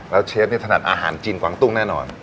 แล้วเชฟนี่ถนัดอาหารจีนกวางตุ้งแน่นอน